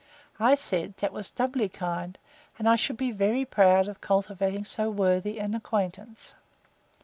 I said, That was doubly kind; and I should be very proud of cultivating so worthy an acquaintance.